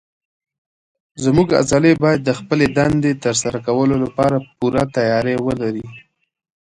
زموږ عضلې باید د خپلې دندې تر سره کولو لپاره پوره تیاری ولري.